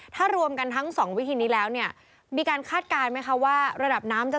ถ้ารวมกันทั้งสองวิธีนี้แล้วเนี่ยมีการคาดการณ์ไหมคะว่าระดับน้ำจะ